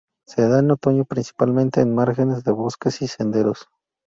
Se da en otoño principalmente, en márgenes de bosques y senderos.